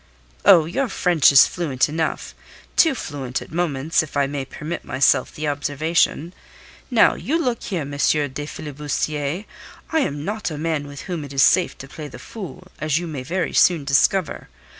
"Oh, your French is fluent enough; too fluent at moments, if I may permit myself the observation. Now, look you here, M. le filibustier, I am not a man with whom it is safe to play the fool, as you may very soon discover.